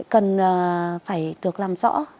cần phải được làm rõ